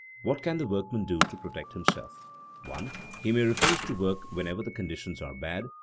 What can the workman do to protect himself? (1) He may refuse to work whenever the conditions are bad.